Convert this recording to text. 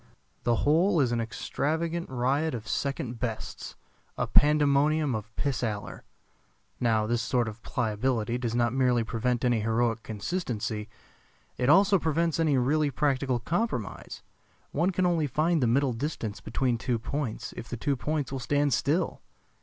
The whole is an extravagant riot of second bests, a pandemonium of pis aller. Now this sort of pliability does not merely prevent any heroic consistency, it also prevents any really practical compromise. One can only find the middle distance between two points if the two points will stand still.